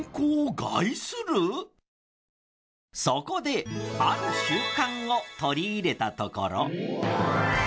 そこである習慣を取り入れたところ。